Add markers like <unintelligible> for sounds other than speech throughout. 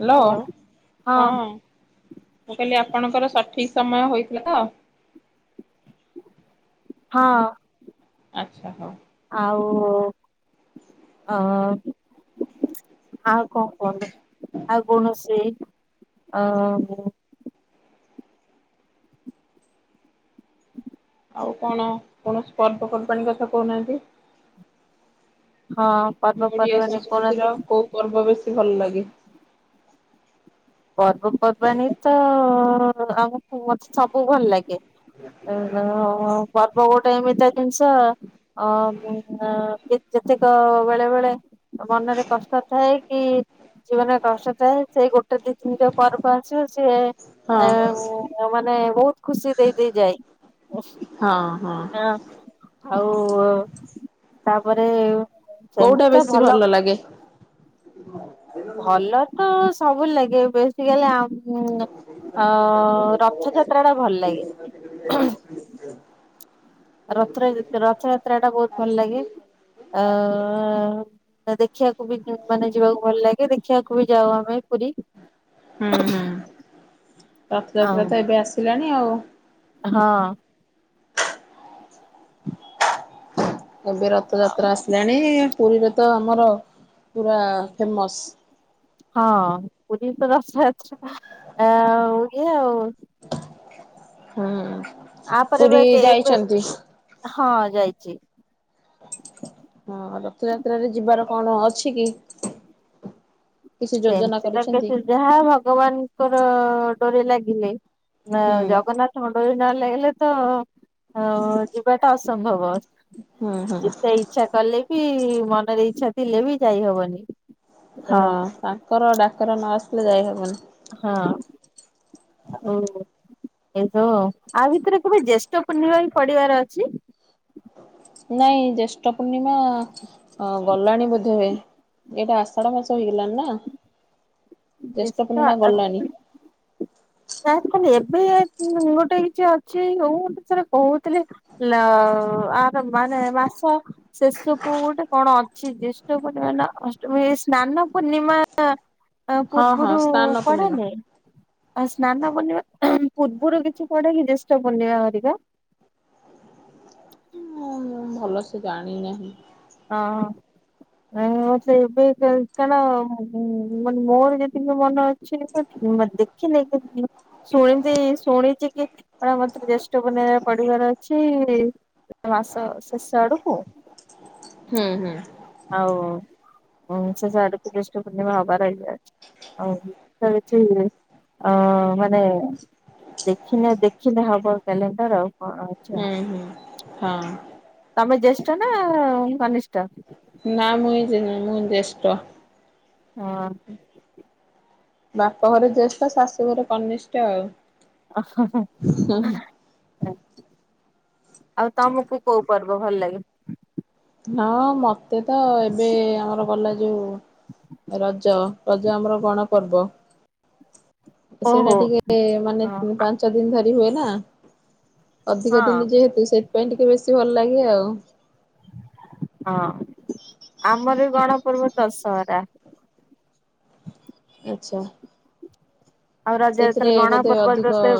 Hello hello ହଁ ମୁଁ କହିଲି ଆ ଆପଣଙ୍କର ସଠିକ ସମୟ ହୋଇଥିଲା ତ। ହଁ। ଆଚ୍ଛା ହୋଉ। ମୁଁ ଅଁ ହଁ କଁ କୁହନ୍ତୁ। ଆଉ କୌଣସି ଓହୋ। ଆଉ କଣ କୌଣସି ପର୍ବପର୍ବାଣୀ କଥା କୋହୁନାହାନ୍ତି। ହଁ ପର୍ବପର୍ବାଣୀ କୌଣସି କୋଉ ପର୍ବ ବେଶୀ ଭଲ ଲାଗେ। ପର୍ବପର୍ବାଣୀ ତ ଆମକୁ ମତେ ସବୁ ଭଲ ଲାଗେ ଅଁ-ପର୍ବ ଗୋଟେ ଏମିତିଆ ଜିନିଷ ଅଁ-ଏ ଯେତେକ ବେଳେ ବେଳେ ମନରେ କଷ୍ଟ ଥାଏ କି ଜୀବନରେ କଷ୍ଟ ଥାଏ ସେଇ ଗୋ ଗୋଟେ ତିନିଟା ପର୍ବ ଆସିବ ସିଏ ହଁ ଏଁ ମାନ ନାଇଁ ବୋହୁତ ଖୁସି ଦେଇଦେଇେ ଯାଏ। ହଁ ହଁ। ଆଉ ତାପରେ ସେମିତି କୋଉଟା ତ ବେଶୀ ଭଲ ଲାଗେ? ଭଲ ତ ସବୁ ଲାଗେ ବେଶୀ କାଲି ଅମ୍ ଅ-ରଥଯାତ୍ରାଟା ଭଲ ଲାଗେ। ରଥର ଯେ ରଥଯାତ୍ରାଟା ବୋହୁତ ଭଲ ଲାଗେ ଆ-ଆ ଦେଖିବାକୁ ବି ମାନେ ଯିବାକୁ ଭଲ ଲାଗେ ଦେଖିବାକୁ ବି ଯାଉ ଆମେ ପୁରୀ। ହୁଁ ହୁଁ ରଥଯାତ୍ରା ତ ଆଉ ଏବେ ଆସିଲାଣି ଆଉ। ହଁ ଏବେ ରଥଯାତ୍ରା ଆସିଲାଣି। ପୁରୀରେ ତ ଆମର ପୁରା ଫେମସ୍। ହଁ ପୁରୀରେ ତ ରଥଯାତ୍ରା ଆଉ ଇଏ ଆଉ। ହୁଁ ଆପରେ ପୁରୀ ପା କେ ଏବେ ଯାଇଛନ୍ତି? ହଁ ଯାଇ ଚି ହଁ ରଥଯାତ୍ରାରେ ଯିବାର କଣ ଅଛି କି? କିଛି ଯୋଜନା ସେମିତିକା ତ କରିଛନ୍ତି? ସେ ଯାହା ଭଗବାନ ତାଙ୍କର ଡୋରି ଲାଗିଲେ ନ ହୁଁ। ଜଗନ୍ନାଥ ମନ୍ଦିର ନ ଲାଗିଲେ ତ ଅ-ଯିବାଟା ଅସମ୍ଭବ। ହୁଁ ହୁଁ ଯେତେ ଇଚ୍ଛା କଲେ ବି ମନରେ ଇଚ୍ଛା ଥିଲେ ବି ଯାଇହବନି। ହଁ। ତାର ଡାକ୍ତର ନଆସିଲେ ଯାଇହବନି। ହଁ ହ ଏସବୁ ଆଉ, ଭିତରେ କେବେ ଜ୍ୟେଷ୍ଠ ପୂର୍ଣ୍ଣମା ବି ପଡିବାର ଅଛି। ନାଇଁ ଜେଷ୍ଠ ପୂର୍ଣ୍ଣିମା ଗଲାଣି ବୋଧେ ଏଟା ଆଷାଢ ମାସ ହେଇଗଲାଣି ନା। ଜ୍ୟେଷ୍ଠ ପୂର୍ଣ୍ଣିମା ଗଲାଣି। ତା କଇଲି ଏବେ ଗୋଟେ କିଛି ଅଛି, ହଉ ଗଟେ ଥରେ କହୁଥିଲେ ଆର ମାନେ ମାସ ଶେଷ କୁ ଗୋଟେ କଣ ଅଛି ଜ୍ୟେଷ୍ଟ ପୂର୍ଣ୍ଣିମା ଅଷ୍ଟମୀ ସ୍ନାନ ପୂର୍ଣ୍ଣିମା। ଆଁ ହଁ ହଁ ପୂର୍ବରୁ ସ୍ନାନ ପୂର୍ଣ୍ଣିମା ପଢନେ। ଆଉ ସ୍ନାନ ପୂର୍ଣ୍ଣିମା ପୂର୍ବରୁ କିଛି ପଡେ କି ଜେଷଷ୍ଟ ପୂର୍ଣ୍ଣିମା ହରିକା। ମୁଁ ଭଲସେ ଜାଣିନାହିଁ। ନାଇ ମତେ ଏବେ କାରଣ ମୋର ଯେତିକି ମନ ଅଛି ଦେଖିନି ଶୁଣିଚି ଶୁଣିଛି କି ମତେ ଜେଷ୍ଠ ପୂର୍ଣ୍ଣିମା ପଢିବାର ଅଛି, ମାସ ଶେଷ ଆଡକୁ। ହୁଁ ହୁଁ। ଆଉ ସେଷ ଆଡକୁ ଜେଷ୍ଟ ପୂର୍ଣ୍ଣିମା ହବାର ଇଏ ଅଛି ଆଉ ଏତେ କିଚି ମାନେ, ଦେଖିନି ଦେଖିଲେ ହବ କ୍ୟାଲେଣ୍ଡର ଆଉ। ହଁ ଆଚ୍ଛା। ହୁଁ ହୁଁ ହଁ ତମେ ଜ୍ୟେଷ୍ଠ ନା କନିଷ୍ଠ। ନା ମୁଇଁ ଯେ ମୁଇଁ ଜେଷ୍ଟ। ହଁ। ବାପଘରେ ଜ୍ୟେଷ୍ଠ ଶାଶୁଘରେ କନିଷ୍ଠ ଆଉ। <unintelligible> ଆଉ ତମକୁ କୋଉ। ପର୍ବ ଭଲ ଲାଗେ। ହଁ ମତେ ତ ଏବେ ଆମର ଗଲା ଯୋଉ ରଜ। ରଜ ଆମର ଗଣ। ପର୍ବ। ସେଇଟା ଓହୋ। ଟିକେ ମାନେ ହଁ ପାଞ୍ଚ ଦିନ ଧରି। ହୁଏ ନା। ଅଧିକ ହଁ ଦିନ ଯେହେତୁ ସେ। ପାଇଁ ଟିକେ ବେଶୀ ଭଲ ଲାଗେ ଆଉ। ହଁ ଆମର ବି ଗଣ ପର୍ବ ଦଶହରା। ଆଚ୍ଛା। ଆଉରଜ ଯେତେ ହେଲେ ସେଇଥିରେ ଗଣ ବୋଧେ ପର୍ବ ଅଧିକ ଯେତେ।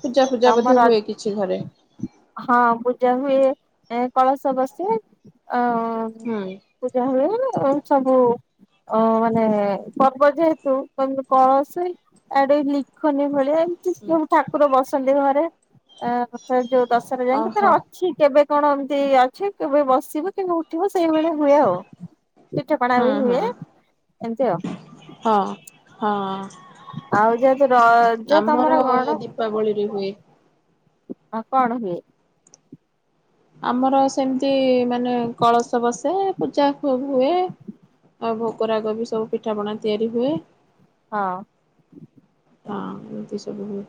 ପୂଜା ପୂଜା ବୋଧେ ତମର ହୁଏ କିଛି ଘରେ। ହଁ ପୂଜା ହୁଏ ଏ କଳସ ବସେ। ଅଁ ହୁଁ ପୂଜା ହୁଏ। ଏବଂ ସବୁ ଅ ମାନେ ପର୍ବ ଯେହେତୁୁ କଳସି ଆଉ ଲିଖନି ଭଳି। ଜେମତି ସବୁ ଠାକୁର ବସନ୍ତି ଘରେ। ଆ ସ ଜ। ଦଶରେ ଯାଇକି ଓହୋ ତାର ଅଛି କେବେ କେବେ କଣ ଏମିତି ଅଛି କେବେ ବସିବ କେମ ଠିକ ସେଇଭଳିଆ ହୁଏ ଆଉ ପିଠ ପଣାା ହୁଁ ବି ହୁଁ ହୁଏ ଏମିତି ଆଉ। ହଁ ହଁ ହଁ। ଆଉ ଯେହେତୁ ତୁ ରଜ ତମର କଣ? ଦୀପାବଳିରେ ହୁଏ। ହଁ କଣ ହୁଏ? ଆମର ସେମିତି। ମାନେ କଳସ ବସେ ପୂଜା ହୁଏ। <inaudible> ରଗ ବି ସବୁ ପିଠାପଣା ତିଆରି ହୁଏ। ହଁ। ହ ଏମିତି ସବୁ ହୁଏ।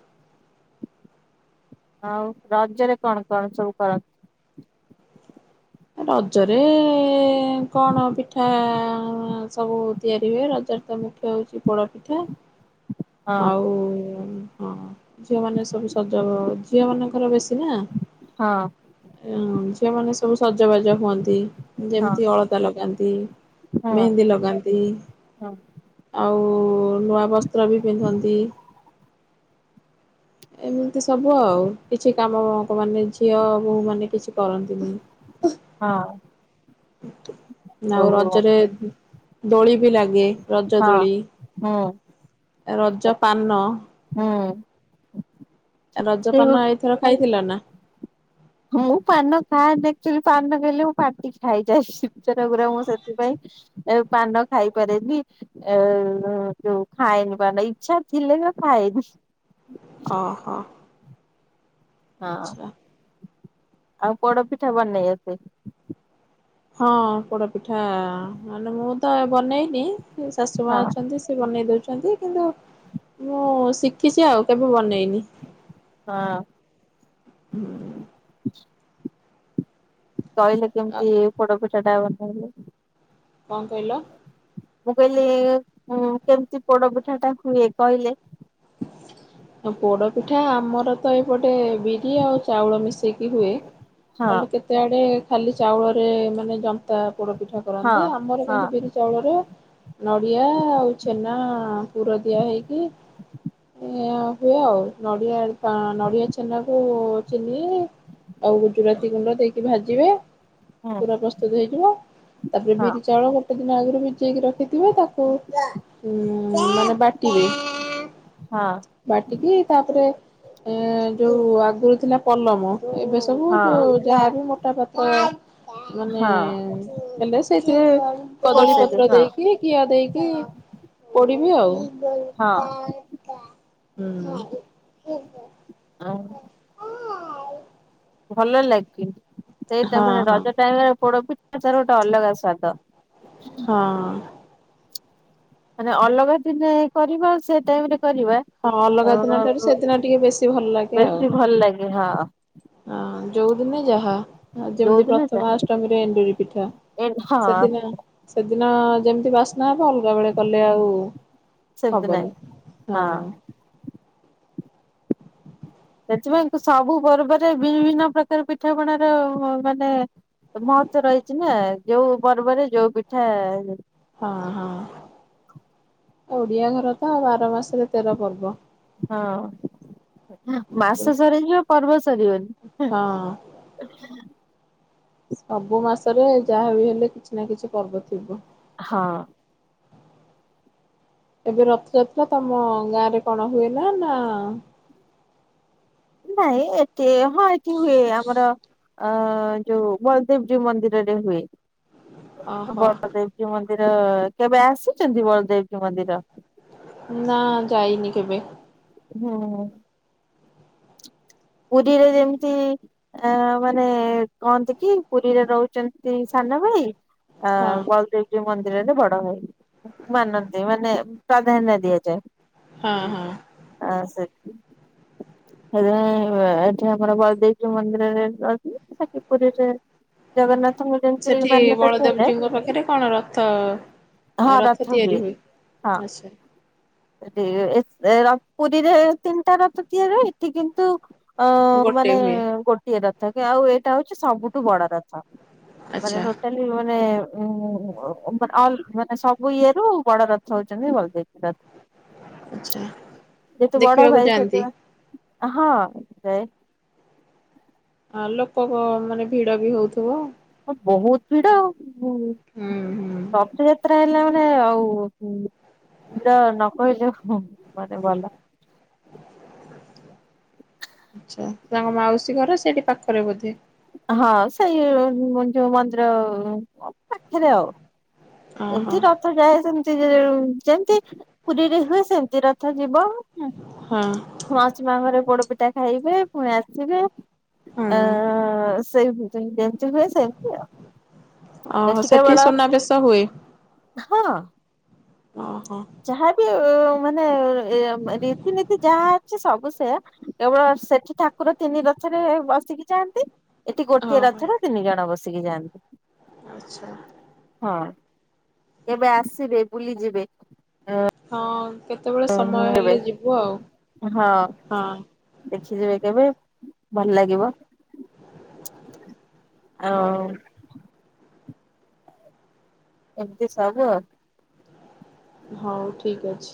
ଆଉ ରାଜରେ କଣ କଣ ସବୁ କରନ୍ତି? ରଜରେ ଏ ଏ ଏ ଏ କଣ ପିଠା ଆଁ ଆଁ ଆଁ ସବୁ ତିଆରି ହୁଏ ରଜରେ ତ ମୁଖ୍ୟ ହଉଛି ପୋଡ ପିଠା। ହଁ ଆଉ ଉ ଉ ଉ। ହଁ। ଝିଅମାନେ ସବୁ ସଜ ଝିଅ ମାନଙ୍କର ବେଶୀ ନା। ହଁ ଆଁ ଝିଅମାନେ ସବୁ ସଜବାଜ ହୁଅନ୍ତି। ହଁ ଯେମିତି ଅଳତା ଲଗାନ୍ତି ହଁ ମେହେନ୍ଦୀ ଲଗାନ୍ତି ହଁ ଆଉ ନୂଆ ବସ୍ତ୍ର ବି ହୁଅନ୍ତି। ଏମିତି ସବୁ ଆଉ କିଛି କାମ ଲୋକ ମାନେ ଝିଅ ବୋହୂ ମାନେ କିଛି କରନ୍ତିନି। ହଁ ନା ଓ ଆଉ ରଜରେ। ଦୋଳି। ବି ଲାଗେ ରଜ ହଁ ଦୋଳି। ହୁଁ ରଜ ପାନ। ହୁଁ। ରଜପାନ ଏଇଥର ଖାଇଥିଲ ନା। ମୁଁ ପାନ ଖାଏନି ଅକ୍ଚୁଆଲି ପାନ ଖାଇଲେ ମୁଁ ପାଟି ଖାଇଯାଏ ଶୀତର ପୁରା ମୁଁ ସେଥିପାଇଁ ପାନ ଖାଇପାରେନି ଏ ଯୋଉ ଖାଏନି ପାନ ଇଚ୍ଛା ଥିଲେ ବି ଖାଏନି। ଓହୋ ହଁ। ଆଚ୍ଛା। ଆଉ ପୋଡପିଠା ବନେଇ ଆସେ। ହଁ ପୋଡପି ପିଠା ମାନେ ବହୁତ ତ ବନେଇନି। ଶାଶୁ ମା ହଁ ଅଛନ୍ତି ସେ ବନେଇ ଦଉଛନ୍ତି। ନ୍ତି କିନ୍ତୁ ମୁଁ ଶିଖିଛି ଆଉ କେବେ ବନେଇନି ହଁ ହୁଁ। କହିଲେ କେମିତି ପୋଡ଼ପି ସେଟା ବନେଇଲେ। କଣ କହିଲ। ମୁଁ କହିଲି ଉ କେମତି ପୋଡ ପିଠା ଟା ହୁଏ କହିଲେ। ପୋଡ ପିଠା ଆମର ତ ଏପ୍ ଗୋଟେ ବିରି ଆଉ ଚାଉଳ ମିଶେଇକି। କି ହୁଏ। ହଁ ଖାଲି କେତେ ଆଡେ ଖାଲି ଚାଉଳ ଏ ମାନେ ଜ ତା ପୋଡ ପିଠା ହଁ କରନ୍ତି। ଆମର ହଁ କିନ୍ତୁ ବିରି ଚାଉଳରେ ନଡ଼ିଆ ଆଉ ଛେନା ପୁର ଦିଆ ହେଇକି ଇଁ ହୁଏ, ଆଉ ନଡିଆ ତା ନଡିଆ ଛେନାକୁ ଚିନି ଆଉ ଗୁଜୁରାତି ଗୁଣ୍ଡ ଦେଇକି ଭାଜିବେ। ହୁଁ ପୁରା ପ୍ରସ୍ତୁତ ହେଇଯିବ। ତାପରେ ହଁ ବିରି ଚାଉଳ ଗ ଟେଦିନ ଆଗରୁ ଭିଯେଇକି ର ଖିଥିବ ତାକୁ ହୁଁ ମାନେ ବାଟିବେ? ହଁ ବାଟିକି ତାପରେ ଏ ଯୋଉ ଆଗରୁ ଥିଲା ପଲମ ଏବେ ସବୁ ହଁ ଯୋଉ ଯାହାବି ମୋଟାପାତ। ଓଁ। ମାନେ ହଁ ନେଲେ ସେ। ସେ କଦଳୀ ବସେଇଦେ ପତ୍ର ହଁ ଦେଇକି କିିଆ ଦେଇକି ପଡିବି ଆଉ। ହଁ <inaudible> ହୁଁ। ଭଲ ଲାଗେ। ସେଇଟା ହଁ ପରା ହଁ ରଜ ଟାଇମରେ ପୋଡ଼ପିଠା। ତାରୋଟା ଗୋଟେ ଅଲଗ ସ୍ୱାଦ। ହଁ। ମାନେ ଅଲଗା ଦିନେ କରିବା ଆଉ ସେ ଟାଇମରେ କରିବା ହଁ ଅଲଗା ଦିନ ଠାରୁ ଅଁ ସେଦିନ ଟିକେ ବେଶୀ ଭଲ ଲାଗେ ଆଉ। ବେଶୀ ଭଲ ଲାଗେ ହଁ। ହଁ ଯଉଦିନେ ଯାହା। ଆଉ ଯେମିତି ଯୋଉଦିନ ପ୍ରଥମା ଯାହା ଅଷ୍ଟମୀରେ ଏଣ୍ଡୁରି ପିଠା ଏ ହଁ ସେଦିନ ସେ ଦିନ ଯେମିତି ବାସ ନା ଅଲଗା ବେଳେ କଲେ ଆଉ ସେମିତି ହବନି ନାଇଁ ହଁ। ସେଥିପାଇଁ ସବୁ ପର୍ବରେ ବିଭିନ୍ନ ପ୍ରକାର ପିଠାପଣାର ମାନେ ମହତ୍ଵ ରହିଛି ନା ଯୋଉ ପର୍ବରେ ଯୋଉ ପିଠା। ହଁ ହଁ। ଓଡିଆ ଘର ତ ବାର ମାସରେ ତେର ପର୍ବ। ହଁ ମାସ ସରିଯିବ ପର୍ବ ସରିବନି। ହଁ ସବୁ ମାସରେ ଯାହା ବି ହେଲେ କିଛି ନା କିଛି ପର୍ବ ଥିବ। ହଁ। ଏବେ ରଥଯାତ୍ରା ତମ ଗାଁ ରେ କଣ ହୁଏନା ନା? ନାଇଁ। ଏ ହଁ ଏଠି ହୁଏ ଆମର ଅ ଯୋଉ ବଲଦେବଜୀ ମନ୍ଦିରରେ ହୁଏ। ଓହୋ ବଲଦେବଜୀ ମନ୍ଦିର। ତ କେବେ ଆସୁଛନ୍ତି ବଳଦେବଜୀ ମନ୍ଦିର? ନା ଯାଇନି କେବେ। ହଁ। ପୁରୀରେ ଯେମିତି ଆଁ ମାନେ କହନ୍ତି କି ପୁରୀରେ ରହୁଚନ୍ତି ସାନ ଭାଇ। ଆ ହଁ ବଳଦେବୀଜିଉ ମନ୍ଦି ରେ ବଡଭାଇ ମାନନ୍ତି ମାନେ ପ୍ରାଧାନ୍ୟ ଦିଆଯାଏ। ହଁ ଆଁ ସେ ହେତିପାଇଁ ଏଠି ଆମର ବଳଦେବଜିଉ ମନ୍ଦିରରେ <unintelligible> ପୁରୀରେ ଜଗନ୍ନାଥଙ୍କୁ ଯେମିତି ସେଠି ମାନ୍ୟତା ଦିଆଯାଏ ବଳଦେବଜୀଉଙ୍କ ପାଖରେ କଣ ରଥ ରଥ ତିଆରି ହୁଏ ହଁ। ଆଛା। <unintelligible> ପୁରୀରେ ତିନିଟା ରଥ ତିଆରି ହୁଏ ଏଠି କିନ୍ତୁ? ଅ ଗୋଟେ ମାନେ ହୁଏ ଗୋଟିଏ ର। ଥକି ଆଉ ଏଇଟା ହଉଚି ସବୁଟୁ ବଡ ରଥ। ମାନେ ଆଚ୍ଛା ଟୋଟାଲି ମାନେ ଉଁ ଅ ଆ ମାନେ ସବୁ ଇଏ ରୁ ବଡ ରଥ ହଉଚନ୍ତି ବଲଦେବ ଆଛା ବଡ ଦେଖିବାକୁ ଭାଇ ଯାଆନ୍ତି। ସେଥିପାଇଁ ହଁ ଯାଏ। ଆ ଲୋକଙ୍କ ମାନେ ଭିଡ ବି ହୋଉଥିବ। ବହୁତ ଭିଡ ଆଉ। ହୁଁ ହୁଁ ହୁଁ ରଥଯାତ୍ରା ହେଲା ମାନେ ଆଉ ଭିଡ ନ କହିଲେ ହଁ ମାନେ ଗଲା। ଆଛା ତାଙ୍କ ମାଉସୀ ଘର ସେଇଟି ପାଖରେ ବୋଧେ। ହଁ ସେଇ ଯୋଉ ମନ୍ଦିର ପାଖେରେ ଆଉ। ଓହୋ ଏମିତି ରଥ ଯାଏ ସେମି ଯେଉ ଯେମତି ପୁରୀରେ ହୁଏ ସେମତି ର ଯିବ ହଁ ମାଉସୀ ମା ଘରେ ପୋଡ ପିଟା ଖାଇବେ ପୁଣି ଆସିବେ। ହୁଁ ଅଁ ସେଇଭି ଯେମତି ହୁଏ ସେଏମତି ଆଉ। ଓ ହୋ ସେଠି ସୁନାବେଶ ହୁଏ। ଓହୋ ଯାହା ବି ମାନେ ରୀତିନୀତି ଯାହା ଅଛି ସବୁ ସେୟା କେବଳ ସେଠି ଠାକୁର ତିନି ରଥରେ ବସିକି ଯାଆନ୍ତି। ଏଠି ଗୋଟିଏ ଓହୋ ରଥରେ ତିନି ଜଣ ବସି ଆସିକି ଯାଆନ୍ତି। ଆଚ୍ଛା। ହଁ ଏବେ ଆସିବେ ବୁଲିଯିବେ। ହଁ। କେତେବେଳେ ସମୟ ହ ଏବେ ହେଲେ ଯିବୁ ଆଉ ହଁ ହଁ ଦେଖିଯିବେ କେବେ। ଭଲ ଲାଗିବ। ହଉ ଆଉ ଏମତି ସବୁ। ହଉ ଠିକ ଅଛି।